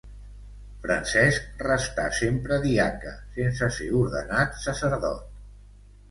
Francesc restà sempre diaca sense ser ordenat sacerdot.